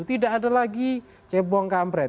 tidak ada lagi cebong kampret